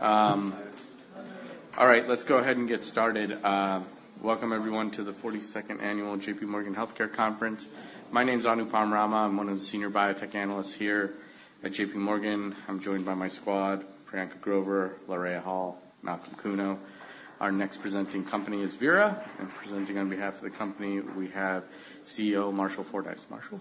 All right, let's go ahead and get started. Welcome everyone to the 42nd annual JPMorgan Healthcare Conference. My name's Anupam Rama. I'm one of the senior biotech analysts here at JPMorgan. I'm joined by my squad, Priyanka Grover, Lori Hall, Malcolm Kuno. Our next presenting company is Vera, and presenting on behalf of the company, we have CEO Marshall Fordyce. Marshall?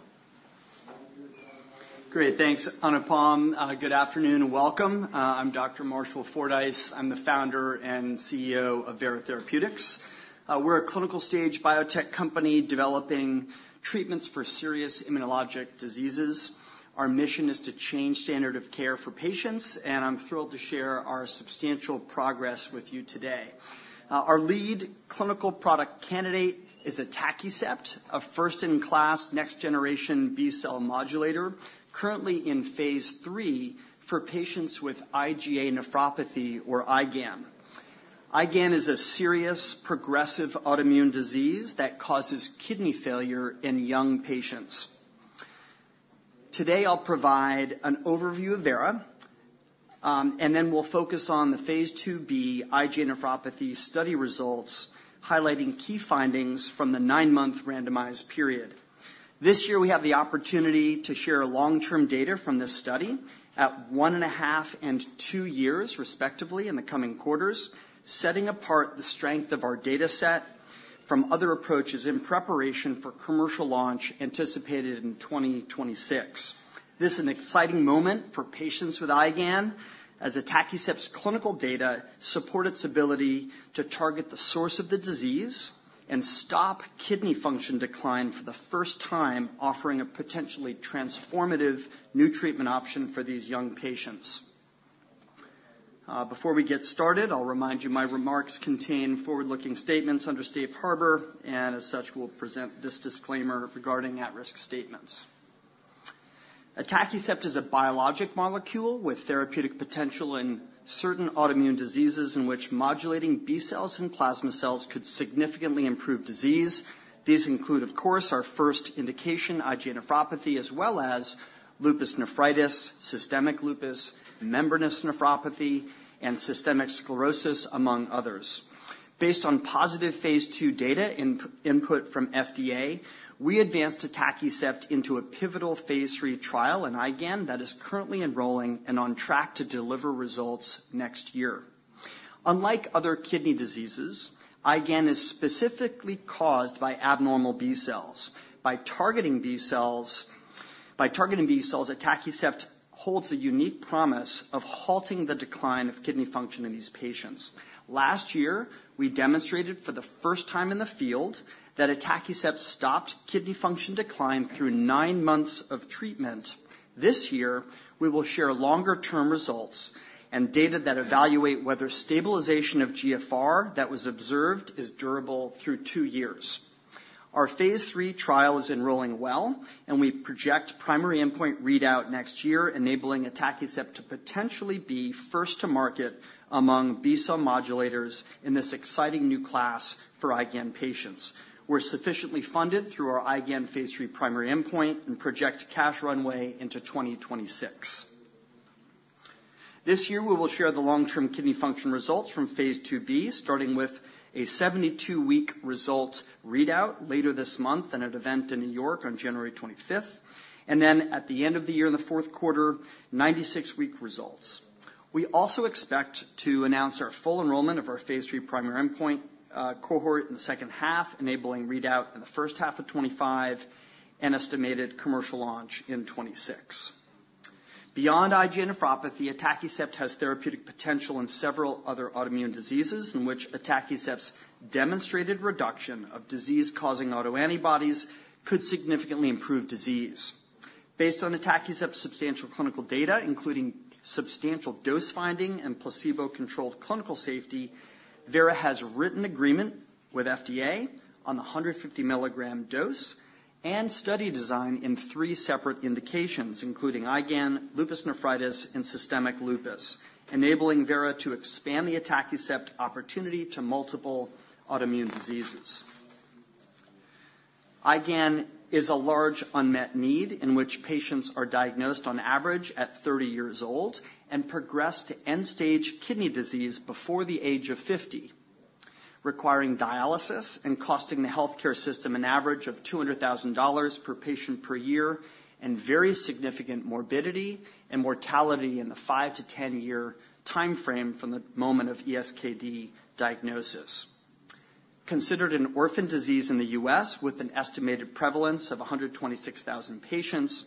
Great. Thanks, Anupam. Good afternoon, and welcome. I'm Dr. Marshall Fordyce. I'm the Founder and CEO of Vera Therapeutics. We're a clinical stage biotech company developing treatments for serious immunologic diseases. Our mission is to change standard of care for patients, and I'm thrilled to share our substantial progress with you today. Our lead clinical product candidate is atacicept, a first-in-class, next-generation B-cell modulator, currently in phase III for patients with IgA nephropathy or IgAN. IgAN is a serious progressive autoimmune disease that causes kidney failure in young patients. Today, I'll provide an overview of Vera, and then we'll focus on the phase IIb IgA nephropathy study results, highlighting key findings from the nine-month randomized period. This year, we have the opportunity to share long-term data from this study at 1.5 and two years, respectively, in the coming quarters, setting apart the strength of our data set from other approaches in preparation for commercial launch anticipated in 2026. This is an exciting moment for patients with IgAN, as atacicept's clinical data support its ability to target the source of the disease and stop kidney function decline for the first time, offering a potentially transformative new treatment option for these young patients. Before we get started, I'll remind you, my remarks contain forward-looking statements under Safe Harbor, and as such, we'll present this disclaimer regarding at-risk statements. Atacicept is a biologic molecule with therapeutic potential in certain autoimmune diseases in which modulating B cells and plasma cells could significantly improve disease. These include, of course, our first indication, IgA nephropathy, as well as lupus nephritis, systemic lupus, membranous nephropathy, and systemic sclerosis, among others. Based on positive phase II data and input from FDA, we advanced atacicept into a pivotal phase III trial in IgAN that is currently enrolling and on track to deliver results next year. Unlike other kidney diseases, IgAN is specifically caused by abnormal B cells. By targeting B cells, by targeting B cells, atacicept holds a unique promise of halting the decline of kidney function in these patients. Last year, we demonstrated for the first time in the field, that atacicept stopped kidney function decline through nine months of treatment. This year, we will share longer-term results and data that evaluate whether stabilization of GFR that was observed is durable through two years. Our phase III trial is enrolling well, and we project primary endpoint readout next year, enabling atacicept to potentially be first to market among B-cell modulators in this exciting new class for IgAN patients. We're sufficiently funded through our IgAN phase III primary endpoint and project cash runway into 2026. This year, we will share the long-term kidney function results from phase IIb, starting with a 72-week result readout later this month in an event in New York on January 25th, and then at the end of the year, in the fourth quarter, 96-week results. We also expect to announce our full enrollment of our phase III primary endpoint cohort in the second half, enabling readout in the first half of 2025, an estimated commercial launch in 2026. Beyond IgA nephropathy, atacicept has therapeutic potential in several other autoimmune diseases in which atacicept's demonstrated reduction of disease-causing autoantibodies could significantly improve disease. Based on atacicept's substantial clinical data, including substantial dose-finding and placebo-controlled clinical safety, Vera has a written agreement with FDA on the 150 mg dose and study design in three separate indications, including IgAN, lupus nephritis, and systemic lupus, enabling Vera to expand the atacicept opportunity to multiple autoimmune diseases. IgAN is a large unmet need, in which patients are diagnosed on average at 30 years old and progress to end-stage kidney disease before the age of 50, requiring dialysis and costing the healthcare system an average of $200,000 per patient per year, and very significant morbidity and mortality in the 5-10-year timeframe from the moment of ESKD diagnosis. Considered an orphan disease in the U.S., with an estimated prevalence of 126,000 patients,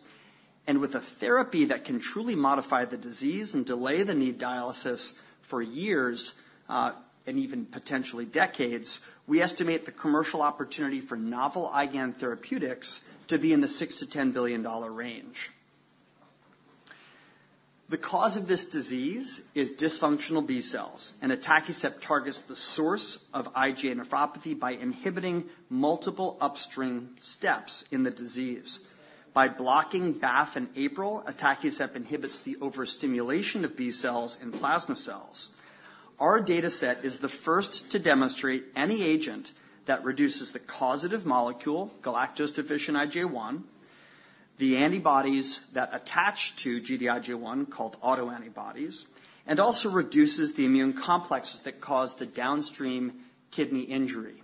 and with a therapy that can truly modify the disease and delay the need dialysis for years, and even potentially decades, we estimate the commercial opportunity for novel IgAN therapeutics to be in the $6 billion-$10 billion range. The cause of this disease is dysfunctional B cells, and atacicept targets the source of IgA nephropathy by inhibiting multiple upstream steps in the disease. By blocking BAFF and APRIL, atacicept inhibits the overstimulation of B cells and plasma cells. Our data set is the first to demonstrate any agent that reduces the causative molecule, galactose-deficient IgA1, the antibodies that attach to Gd-IgA1, called autoantibodies, and also reduces the immune complexes that cause the downstream kidney injury.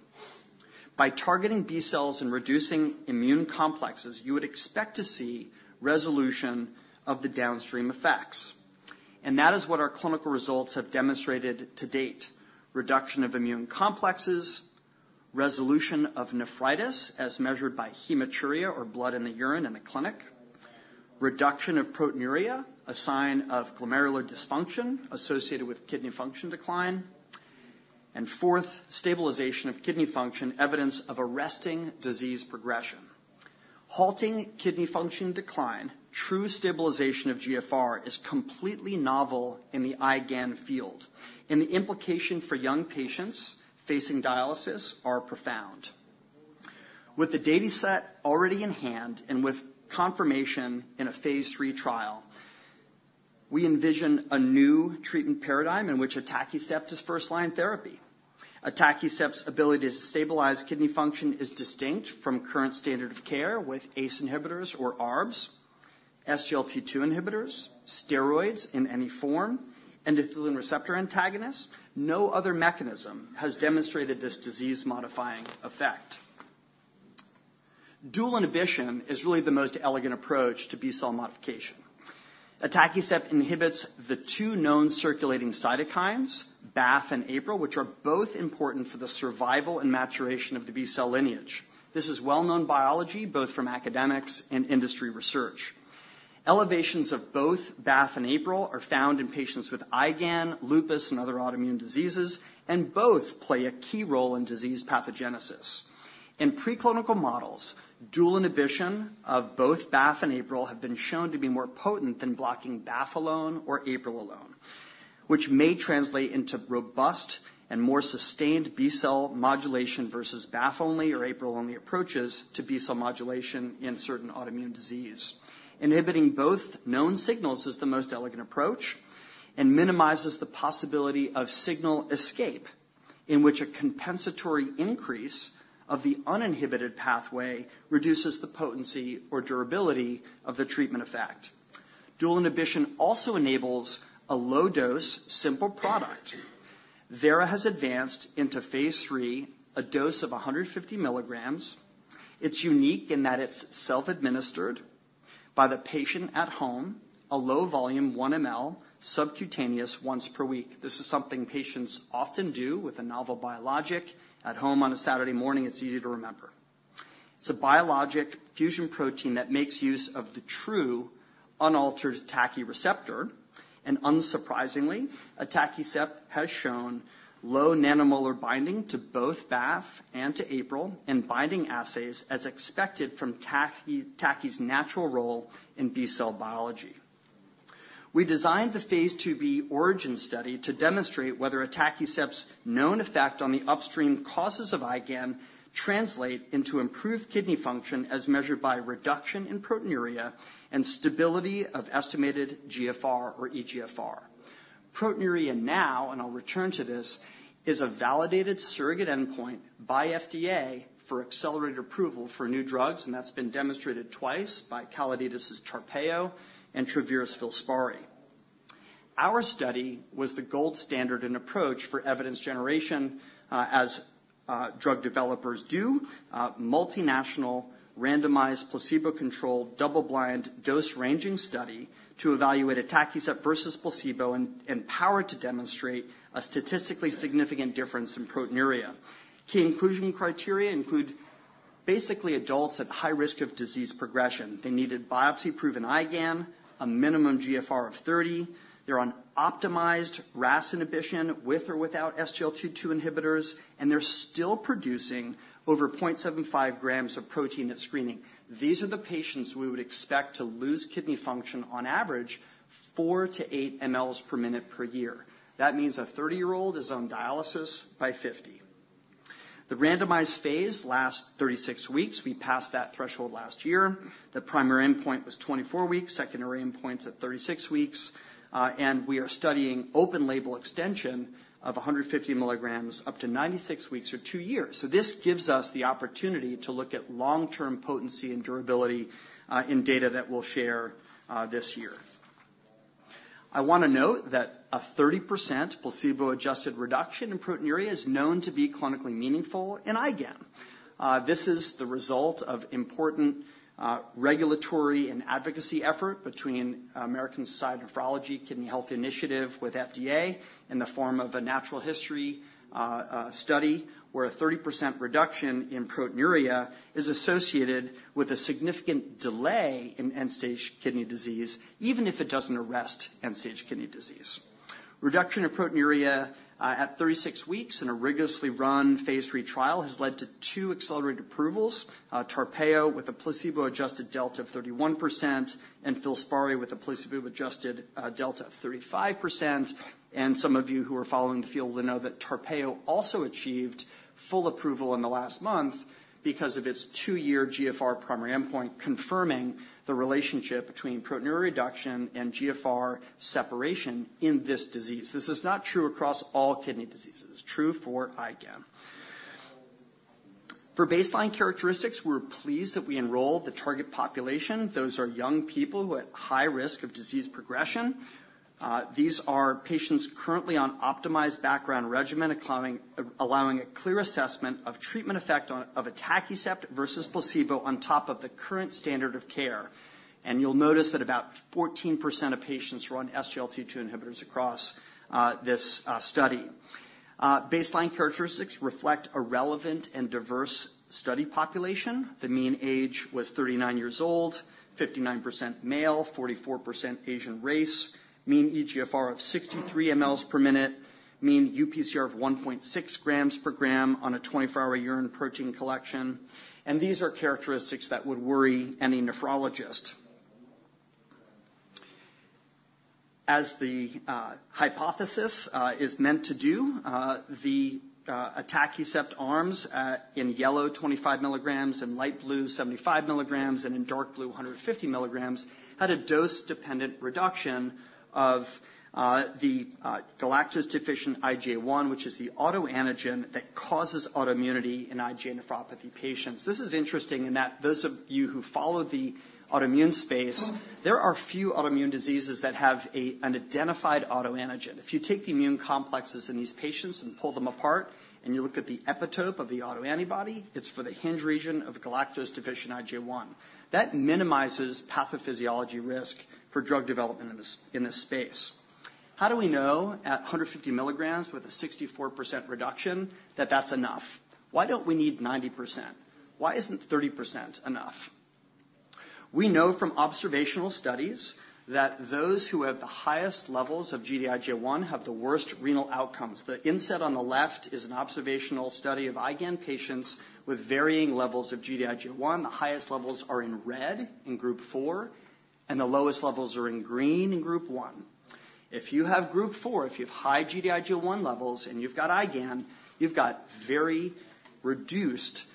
By targeting B cells and reducing immune complexes, you would expect to see resolution of the downstream effects, and that is what our clinical results have demonstrated to date: reduction of immune complexes, resolution of nephritis as measured by hematuria or blood in the urine in the clinic, reduction of proteinuria, a sign of glomerular dysfunction associated with kidney function decline, and fourth, stabilization of kidney function, evidence of arresting disease progression. Halting kidney function decline, true stabilization of GFR, is completely novel in the IgAN field, and the implications for young patients facing dialysis are profound. With the data set already in hand and with confirmation in a phase III trial, we envision a new treatment paradigm in which atacicept is first-line therapy. Atacicept's ability to stabilize kidney function is distinct from current standard of care with ACE inhibitors or ARBs, SGLT2 inhibitors, steroids in any form, endothelin receptor antagonists. No other mechanism has demonstrated this disease-modifying effect. Dual inhibition is really the most elegant approach to B-cell modification. Atacicept inhibits the two known circulating cytokines, BAFF and APRIL, which are both important for the survival and maturation of the B-cell lineage. This is well-known biology, both from academics and industry research. Elevations of both BAFF and APRIL are found in patients with IgAN, lupus, and other autoimmune diseases, and both play a key role in disease pathogenesis. In preclinical models, dual inhibition of both BAFF and APRIL have been shown to be more potent than blocking BAFF alone or APRIL alone, which may translate into robust and more sustained B-cell modulation versus BAFF-only or APRIL-only approaches to B-cell modulation in certain autoimmune disease. Inhibiting both known signals is the most elegant approach and minimizes the possibility of signal escape, in which a compensatory increase of the uninhibited pathway reduces the potency or durability of the treatment effect. Dual inhibition also enables a low-dose, simple product. Vera has advanced into phase III, a dose of 150 mgs. It's unique in that it's self-administered by the patient at home, a low-volume, 1 mL, subcutaneous once per week. This is something patients often do with a novel biologic at home on a Saturday morning. It's easy to remember. It's a biologic fusion protein that makes use of the true, unaltered TACI receptor. Unsurprisingly, atacicept has shown low nanomolar binding to both BAFF and to APRIL, and binding assays as expected from TACI, TACI's natural role in B-cell biology. We designed the phase IIb ORIGIN study to demonstrate whether atacicept's known effect on the upstream causes of IgAN translate into improved kidney function, as measured by reduction in proteinuria and stability of estimated GFR or eGFR. Proteinuria now, and I'll return to this, is a validated surrogate endpoint by FDA for accelerated approval for new drugs, and that's been demonstrated twice by Calliditas' Tarpeyo and Travere's Filspari. Our study was the gold standard and approach for evidence generation, as drug developers do. Multinational, randomized, placebo-controlled, double-blind, dose-ranging study to evaluate atacicept versus placebo and empowered to demonstrate a statistically significant difference in proteinuria. Key inclusion criteria include basically adults at high risk of disease progression. They needed biopsy-proven IgAN, a minimum GFR of 30. They're on optimized RAS inhibition, with or without SGLT2 inhibitors, and they're still producing over 0.75 g of protein at screening. These are the patients we would expect to lose kidney function on average 4-8 mL/min/year. That means a 30-year-old is on dialysis by 50. The randomized phase lasts 36 weeks. We passed that threshold last year. The primary endpoint was 24 weeks, secondary endpoints at 36 weeks. We are studying open label extension of 150 mgs up to 96 weeks or two years. So this gives us the opportunity to look at long-term potency and durability, in data that we'll share, this year. I want to note that a 30% placebo-adjusted reduction in proteinuria is known to be clinically meaningful in IgAN. This is the result of important regulatory and advocacy effort between American Society of Nephrology, Kidney Health Initiative with FDA in the form of a natural history study, where a 30% reduction in proteinuria is associated with a significant delay in end-stage kidney disease, even if it doesn't arrest end-stage kidney disease. Reduction of proteinuria at 36 weeks in a rigorously run Phase III trial has led to two accelerated approvals. Tarpeyo, with a placebo-adjusted delta of 31%, and Filspari, with a placebo-adjusted delta of 35%. And some of you who are following the field will know that Tarpeyo also achieved full approval in the last month because of its two-year GFR primary endpoint, confirming the relationship between proteinuria reduction and GFR separation in this disease. This is not true across all kidney diseases. It's true for IgAN. For baseline characteristics, we're pleased that we enrolled the target population. Those are young people who are at high risk of disease progression. These are patients currently on optimized background regimen, allowing a clear assessment of treatment effect of atacicept versus placebo on top of the current standard of care. And you'll notice that about 14% of patients were on SGLT2 inhibitors across this study. Baseline characteristics reflect a relevant and diverse study population. The mean age was 39 years old, 59% male, 44% Asian race, mean eGFR of 63 mL/min, mean UPCR of 1.6 g/g on a 24-hour urine protein collection, and these are characteristics that would worry any nephrologist. As the hypothesis is meant to do, the atacicept arms, in yellow, 25 mg, in light blue, 75 mg, and in dark blue, 150 mg, had a dose-dependent reduction of the galactose-deficient IgA1, which is the autoantigen that causes autoimmunity in IgA nephropathy patients. This is interesting in that those of you who follow the autoimmune space, there are few autoimmune diseases that have an identified autoantigen. If you take the immune complexes in these patients and pull them apart, and you look at the epitope of the autoantibody, it's for the hinge region of galactosyl-deficient IgA1. That minimizes pathophysiology risk for drug development in this, in this space. How do we know at 150 mgs with a 64% reduction that that's enough? Why don't we need 90%? Why isn't 30% enough? We know from observational studies that those who have the highest levels of Gd-IgA1 have the worst renal outcomes. The inset on the left is an observational study of IgAN patients with varying levels of Gd-IgA1. The highest levels are in red, in group 4, and the lowest levels are in green, in group 1. If you have group four, if you have high Gd-IgA1 levels, and you've got IgAN, you've got very reduced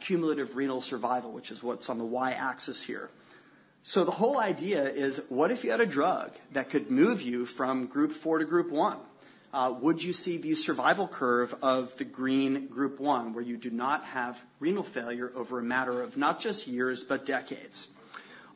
cumulative renal survival, which is what's on the Y-axis here. So the whole idea is, what if you had a drug that could move you from group four to group one? Would you see the survival curve of the green group one, where you do not have renal failure over a matter of not just years, but decades?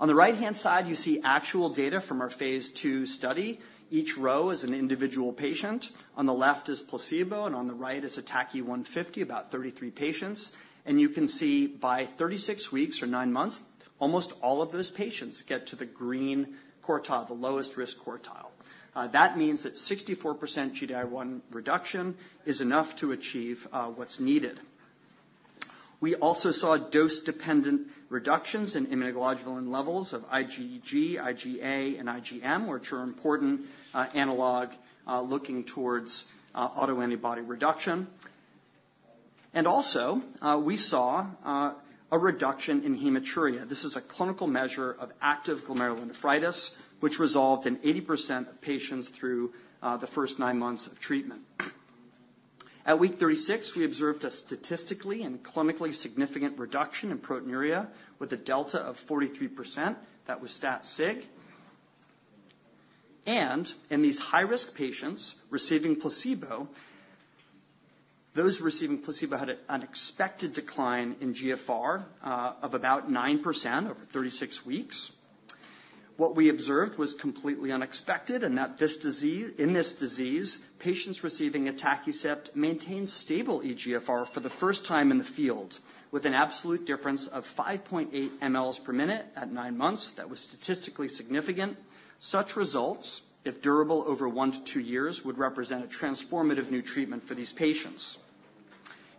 On the right-hand side, you see actual data from our phase II study. Each row is an individual patient. On the left is placebo, and on the right is atacicept 150, about 33 patients. You can see by 36 weeks or nine months, almost all of those patients get to the green quartile, the lowest risk quartile. That means that 64% Gd-IgA1 reduction is enough to achieve what's needed. We also saw dose-dependent reductions in immunoglobulin levels of IgG, IgA, and IgM, which are important, analog, looking towards autoantibody reduction. And also, we saw a reduction in hematuria. This is a clinical measure of active glomerulonephritis, which resolved in 80% of patients through the first nine months of treatment. At week 36, we observed a statistically and clinically significant reduction in proteinuria with a delta of 43%. That was stat sig. And in these high-risk patients receiving placebo, those receiving placebo had an unexpected decline in GFR of about 9% over 36 weeks. What we observed was completely unexpected, and that in this disease, patients receiving atacicept maintained stable eGFR for the first time in the field, with an absolute difference of 5.8 mL/min at nine months. That was statistically significant. Such results, if durable, over one to two years, would represent a transformative new treatment for these patients.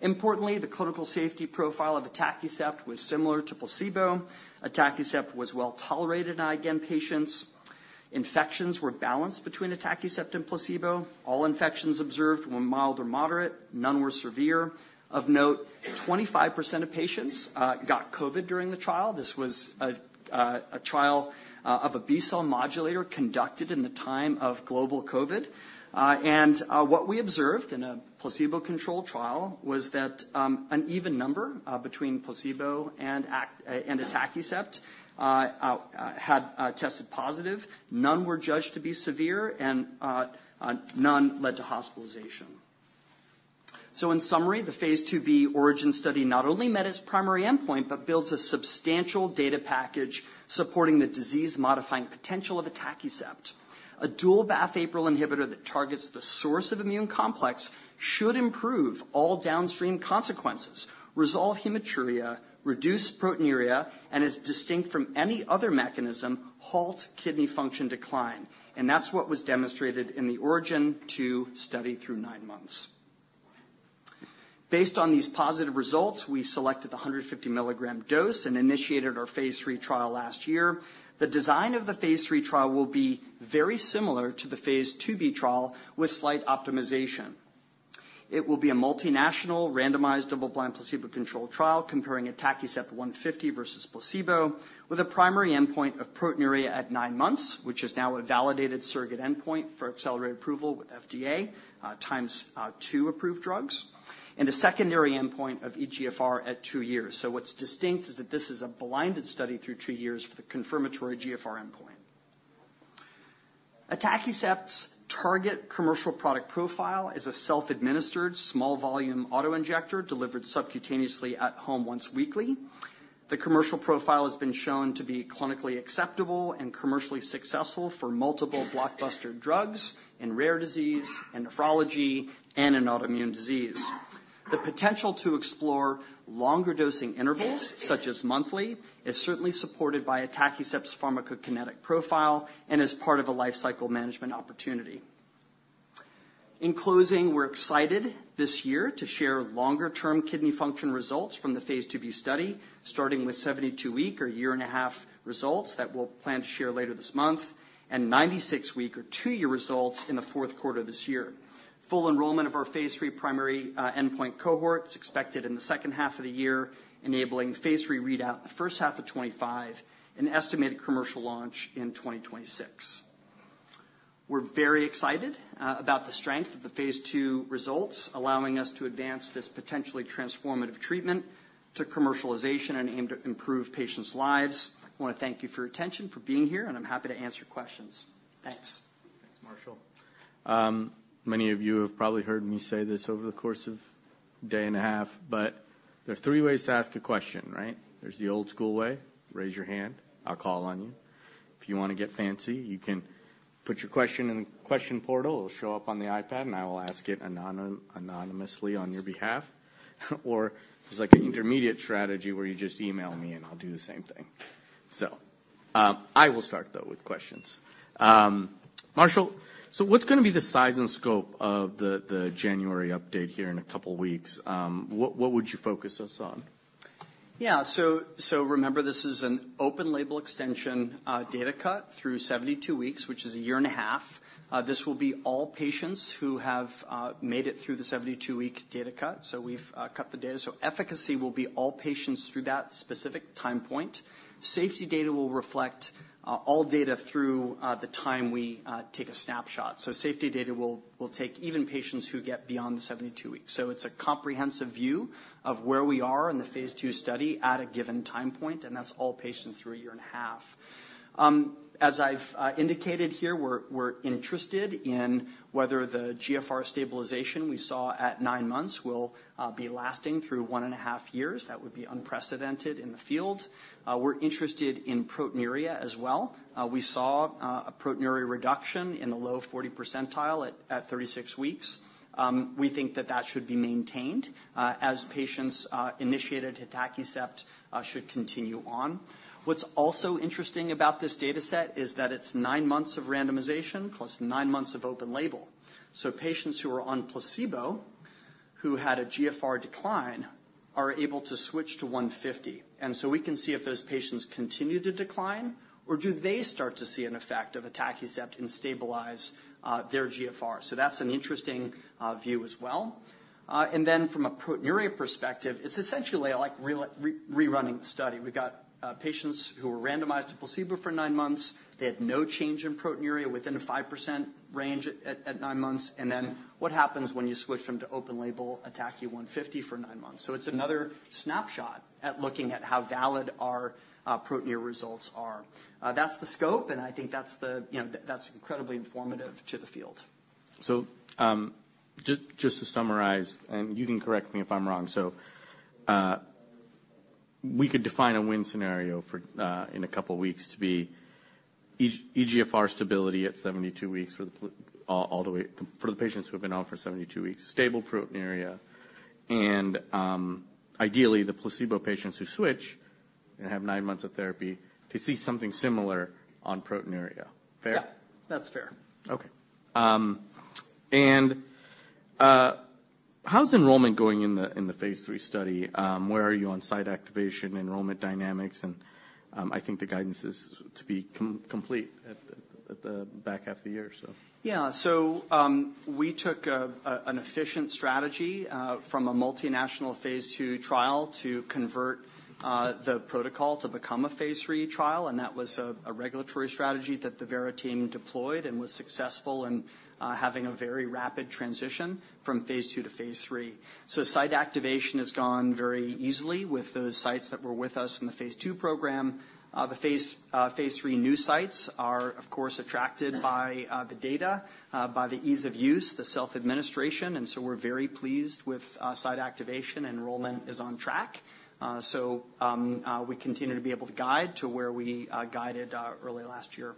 Importantly, the clinical safety profile of atacicept was similar to placebo. Atacicept was well-tolerated in IgAN patients. Infections were balanced between atacicept and placebo. All infections observed were mild or moderate, none were severe. Of note, 25% of patients got COVID during the trial. This was a trial of a B-cell modulator conducted in the time of global COVID What we observed in a placebo-controlled trial was that, an even number between placebo and atacicept had tested positive. None were judged to be severe, and none led to hospitalization. So in summary, the Phase IIb ORIGIN study not only met its primary endpoint but builds a substantial data package supporting the disease-modifying potential of atacicept. A dual BAFF/APRIL inhibitor that targets the source of immune complex should improve all downstream consequences, resolve hematuria, reduce proteinuria, and, distinct from any other mechanism, halt kidney function decline. And that's what was demonstrated in the ORIGIN to study through nine months. Based on these positive results, we selected the 150 mg dose and initiated our Phase III trial last year. The design of the Phase III trial will be very similar to the Phase IIb trial, with slight optimization. It will be a multinational, randomized, double-blind, placebo-controlled trial comparing atacicept 150 versus placebo, with a primary endpoint of proteinuria at nine months, which is now a validated surrogate endpoint for accelerated approval with FDA times two approved drugs, and a secondary endpoint of eGFR at two years. So what's distinct is that this is a blinded study through two years for the confirmatory GFR endpoint Atacicept's target commercial product profile is a self-administered, small volume auto-injector delivered subcutaneously at home once weekly. The commercial profile has been shown to be clinically acceptable and commercially successful for multiple blockbuster drugs in rare disease, in nephrology, and in autoimmune disease. The potential to explore longer dosing intervals, such as monthly, is certainly supported by Atacicept's pharmacokinetic profile and is part of a life cycle management opportunity. In closing, we're excited this year to share longer-term kidney function results from the phase IIb study, starting with 72-week or year-and-a-half results that we'll plan to share later this month, and 96-week or two-year results in the fourth quarter of this year. Full enrollment of our phase III primary endpoint cohort is expected in the second half of the year, enabling phase III readout the first half of 2025, an estimated commercial launch in 2026. We're very excited about the strength of the phase II results, allowing us to advance this potentially transformative treatment to commercialization and aim to improve patients' lives. I want to thank you for your attention, for being here, and I'm happy to answer your questions. Thanks. Thanks, Marshall. Many of you have probably heard me say this over the course of a day and a half, but there are three ways to ask a question, right? There's the old school way, raise your hand, I'll call on you. If you want to get fancy, you can put your question in the question portal, it'll show up on the iPad, and I will ask it anonymously on your behalf. Or there's, like, an intermediate strategy where you just email me, and I'll do the same thing. So, I will start, though, with questions. Marshall, so what's going to be the size and scope of the January update here in a couple of weeks? What would you focus us on? Yeah. So remember, this is an open label extension data cut through 72 weeks, which is 1.5 years. This will be all patients who have made it through the 72-week data cut. So we've cut the data. So efficacy will be all patients through that specific time point. Safety data will reflect all data through the time we take a snapshot. So safety data will take even patients who get beyond the 72 weeks. So it's a comprehensive view of where we are in the phase II study at a given time point, and that's all patients through 1.5 years. As I've indicated here, we're interested in whether the GFR stabilization we saw at nine months will be lasting through 1.5 years. That would be unprecedented in the field. We're interested in proteinuria as well. We saw a proteinuria reduction in the low 40% at 36 weeks. We think that that should be maintained as patients initiated atacicept should continue on. What's also interesting about this data set is that it's nine months of randomization plus nine months of open label. So patients who are on placebo, who had a GFR decline, are able to switch to 150, and so we can see if those patients continue to decline or do they start to see an effect of atacicept and stabilize their GFR? So that's an interesting view as well. And then from a proteinuria perspective, it's essentially like rerunning the study. We've got patients who were randomized to placebo for nine months. They had no change in proteinuria within a 5% range at nine months. And then what happens when you switch them to open label atacicept 150 for nine months? So it's another snapshot at looking at how valid our proteinuria results are. That's the scope, and I think that's the, you know, that's incredibly informative to the field. So, just to summarize, and you can correct me if I'm wrong, so, we could define a win scenario for, in a couple of weeks to be eGFR stability at 72 weeks for the patients who have been on for 72 weeks, stable proteinuria, and, ideally, the placebo patients who switch and have nine months of therapy to see something similar on proteinuria. Fair? Yeah, that's fair. Okay. And how's enrollment going in the phase III study? Where are you on site activation, enrollment dynamics, and I think the guidance is to be complete at the back half of the year, so. Yeah. So, we took an efficient strategy from a multinational phase II trial to convert the protocol to become a phase III trial, and that was a regulatory strategy that the Vera team deployed and was successful in having a very rapid transition from phase II to phase III. So site activation has gone very easily with those sites that were with us in the phase II program. The phase III new sites are, of course, attracted by the data, by the ease of use, the self-administration, and so we're very pleased with site activation. Enrollment is on track. So, we continue to be able to guide to where we guided early last year.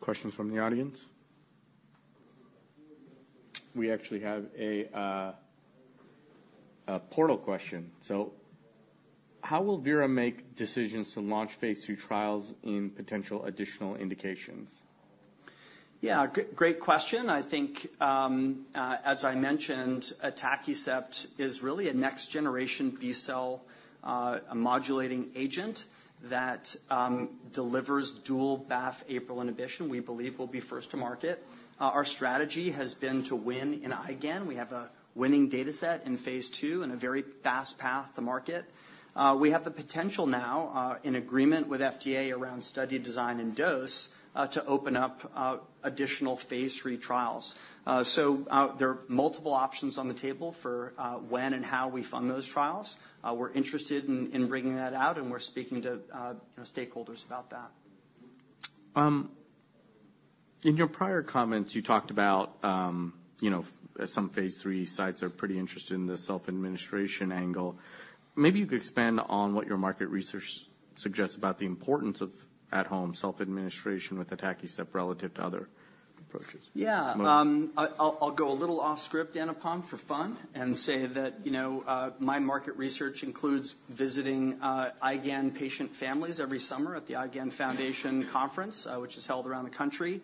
Questions from the audience? We actually have a portal question. So how will Vera make decisions to launch phase II trials in potential additional indications? Yeah, great question. I think, as I mentioned, atacicept is really a next-generation B-cell, modulating agent that, delivers dual BAFF/APRIL inhibition, we believe will be first to market. Our strategy has been to win in IgAN. We have a winning data set in phase II and a very fast path to market. We have the potential now, in agreement with FDA around study design and dose, to open up, additional phase III trials. So, there are multiple options on the table for, when and how we fund those trials. We're interested in, in bringing that out, and we're speaking to, you know, stakeholders about that. In your prior comments, you talked about, you know, some phase III sites are pretty interested in the self-administration angle. Maybe you could expand on what your market research suggests about the importance of at-home self-administration with atacicept relative to other approaches. Yeah. I'll go a little off script, Anupam, for fun, and say that, you know, my market research includes visiting IgAN patient families every summer at the IgAN Foundation Conference, which is held around the country.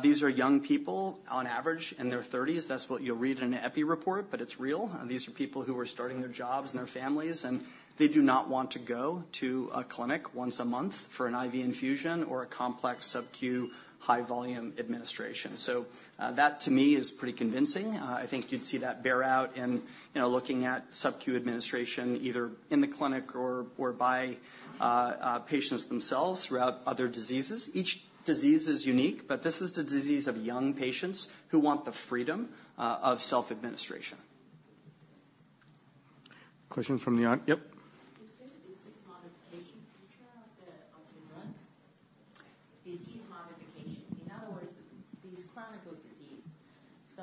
These are young people, on average, in their thirties. That's what you'll read in an epi report, but it's real. These are people who are starting their jobs and their families, and they do not want to go to a clinic once a month for an IV infusion or a complex sub-Q high-volume administration. So, that to me is pretty convincing. I think you'd see that bear out in, you know, looking at sub-Q administration, either in the clinic or by patients themselves throughout other diseases. Each disease is unique, but this is the disease of young patients who want the freedom of self-administration. Questions from the audience? Yep?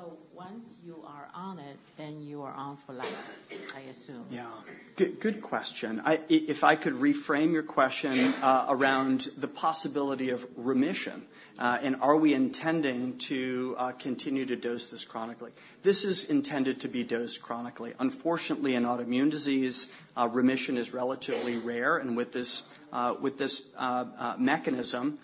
Is there a disease modification feature of the drug? Disease modification. In other words, it's chronic disease, so once you are on it, then you are on for life, I assume. Yeah. Good question. If I could reframe your question around the possibility of remission and are we intending to continue to dose this chronically? This is intended to be dosed chronically. Unfortunately, in autoimmune disease, remission is relatively rare, and with this mechanism,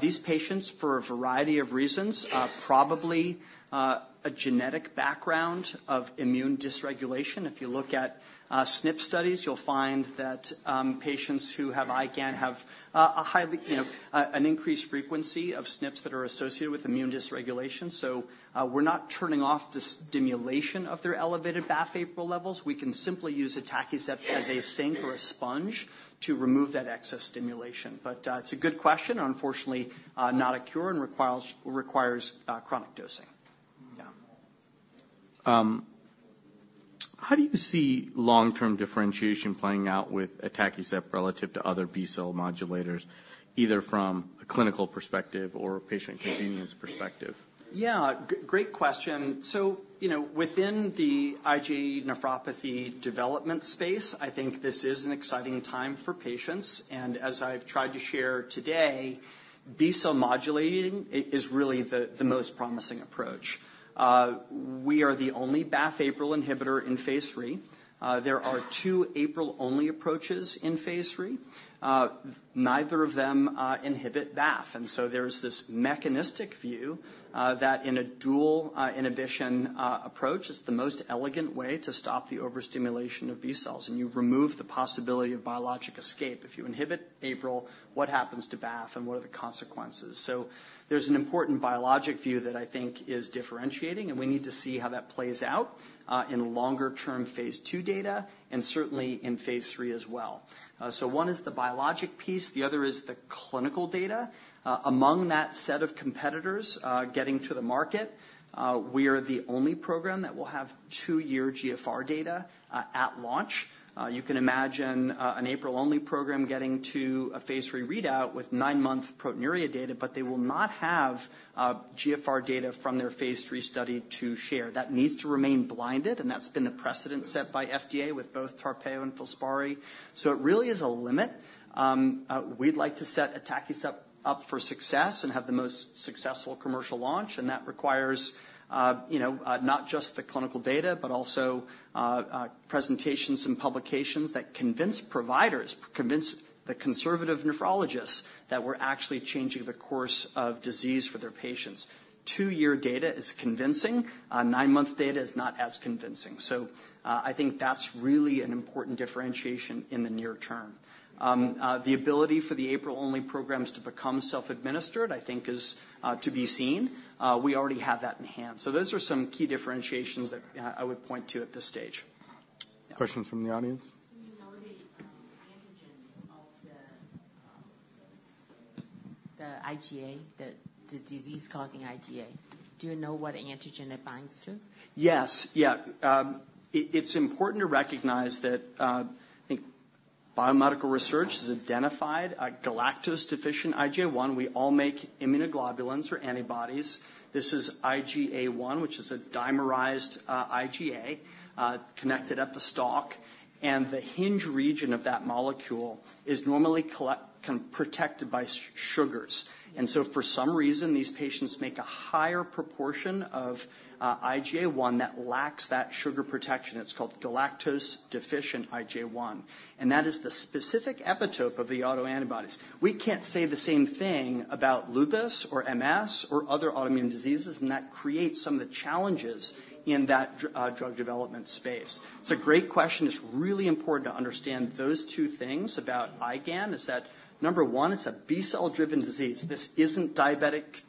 these patients, for a variety of reasons, probably a genetic background of immune dysregulation. If you look at SNP studies, you'll find that patients who have IgAN have a highly, you know, an increased frequency of SNPs that are associated with immune dysregulation. So, we're not turning off the stimulation of their elevated BAFF/APRIL levels. We can simply use atacicept as a sink or a sponge to remove that excess stimulation. But, it's a good question, unfortunately, not a cure, and requires chronic dosing. Yeah. How do you see long-term differentiation playing out with atacicept relative to other B-cell modulators, either from a clinical perspective or a patient convenience perspective? Yeah, great question. So, you know, within the IgA nephropathy development space, I think this is an exciting time for patients, and as I've tried to share today, B-cell modulating is really the most promising approach. We are the only BAFF/APRIL inhibitor in phase III. There are two APRIL-only approaches in phase III. Neither of them inhibit BAFF, and so there's this mechanistic view that in a dual inhibition approach, it's the most elegant way to stop the overstimulation of B cells, and you remove the possibility of biologic escape. If you inhibit APRIL, what happens to BAFF, and what are the consequences? So there's an important biologic view that I think is differentiating, and we need to see how that plays out in longer-term phase II data and certainly in phase III as well. So one is the biologic piece, the other is the clinical data. Among that set of competitors, getting to the market, we are the only program that will have two-year GFR data at launch. You can imagine an APRIL-only program getting to a phase III readout with nine-month proteinuria data, but they will not have GFR data from their phase III study to share. That needs to remain blinded, and that's been the precedent set by FDA with both Tarpeyo and Filspari. So it really is a limit. We'd like to set atacicept up for success and have the most successful commercial launch, and that requires, you know, not just the clinical data, but also presentations and publications that convince providers, convince the conservative nephrologists, that we're actually changing the course of disease for their patients. Two-year data is convincing. Nine-month data is not as convincing. So, I think that's really an important differentiation in the near term. The ability for the APRIL-only programs to become self-administered, I think, is to be seen. We already have that in hand. So those are some key differentiations that I would point to at this stage. Questions from the audience? Do you know the antigen of the the IgA, the the disease-causing IgA? Do you know what antigen it binds to? Yes. Yeah. It's important to recognize that I think biomedical research has identified a galactose-deficient IgA1. We all make immunoglobulins or antibodies. This is IgA1, which is a dimerized IgA connected at the stalk, and the hinge region of that molecule is normally protected by sugars. And so for some reason, these patients make a higher proportion of IgA1 that lacks that sugar protection. It's called galactose-deficient IgA1, and that is the specific epitope of the autoantibodies. We can't say the same thing about lupus or MS or other autoimmune diseases, and that creates some of the challenges in that drug development space. It's a great question. It's really important to understand those two things about IgAN, is that, number one, it's a B-cell-driven disease. This isn't diabetic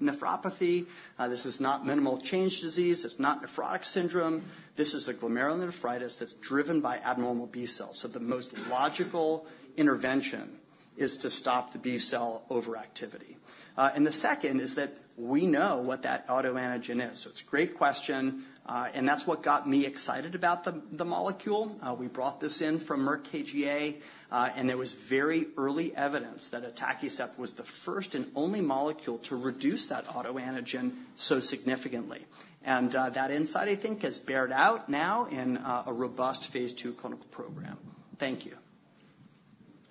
nephropathy, this is not minimal change disease, it's not nephrotic syndrome. This is a glomerulonephritis that's driven by abnormal B cells, so the most logical intervention is to stop the B-cell overactivity. And the second is that we know what that autoantigen is. So it's a great question, and that's what got me excited about the molecule. We brought this in from Merck KGaA, and there was very early evidence that atacicept was the first and only molecule to reduce that autoantigen so significantly. And that insight, I think, has borne out now in a robust phase II clinical program. Thank you.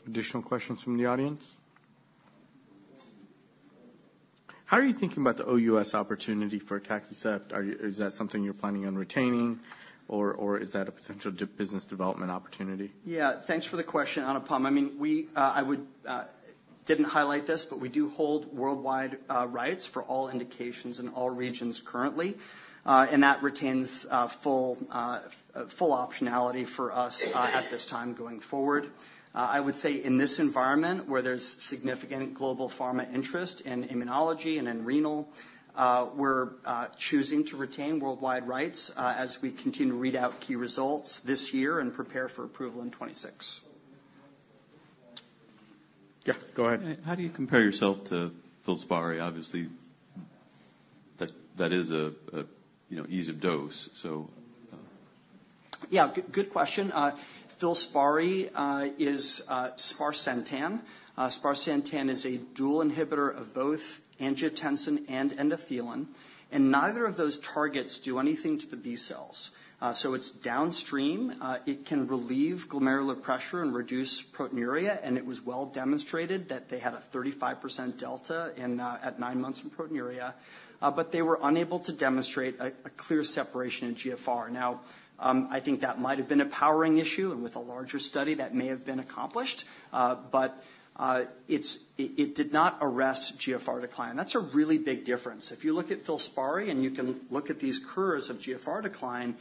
Additional questions from the audience? How are you thinking about the OUS opportunity for atacicept? Are you-- is that something you're planning on retaining, or, or is that a potential business development opportunity? Yeah, thanks for the question, Anupam. I mean, we, I would, didn't highlight this, but we do hold worldwide rights for all indications in all regions currently. And that retains, full, full optionality for us, at this time going forward. I would say in this environment, where there's significant global pharma interest in immunology and in renal, we're choosing to retain worldwide rights, as we continue to read out key results this year and prepare for approval in 2026. Yeah, go ahead. How do you compare yourself to Filspari? Obviously, that is a you know ease of dose, so- Yeah, good, good question. Filspari is sparsentan. Sparsentan is a dual inhibitor of both angiotensin and endothelin, and neither of those targets do anything to the B cells. So it's downstream. It can relieve glomerular pressure and reduce proteinuria, and it was well demonstrated that they had a 35% delta in at nine months in proteinuria. But they were unable to demonstrate a clear separation in GFR. Now, I think that might have been a powering issue, and with a larger study, that may have been accomplished. But it did not arrest GFR decline. That's a really big difference. If you look at Filspari, and you can look at these curves of GFR decline,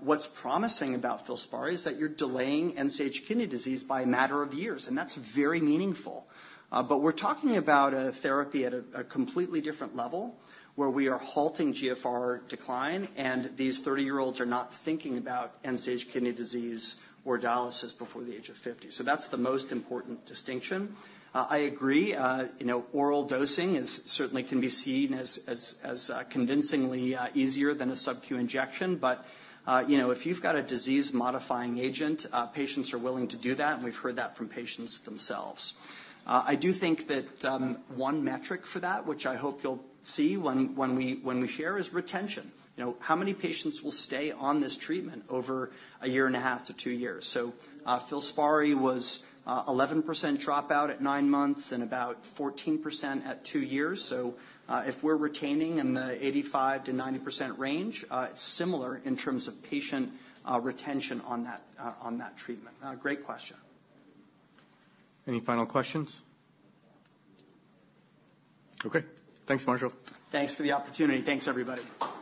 what's promising about Filspari is that you're delaying end-stage kidney disease by a matter of years, and that's very meaningful. But we're talking about a therapy at a completely different level, where we are halting GFR decline, and these 30-year-olds are not thinking about end-stage kidney disease or dialysis before the age of 50. So that's the most important distinction. I agree, you know, oral dosing is certainly can be seen as convincingly easier than a subQ injection. But you know, if you've got a disease-modifying agent, patients are willing to do that, and we've heard that from patients themselves. I do think that one metric for that, which I hope you'll see when we share, is retention. You know, how many patients will stay on this treatment over 1.5 to two years? So Filspari was 11% dropout at nine months and about 14% at two years. If we're retaining in the 85%-90% range, it's similar in terms of patient retention on that, on that treatment. Great question. Any final questions? Okay. Thanks, Marshall. Thanks for the opportunity. Thanks, everybody. We'll see you tomorrow. Okay.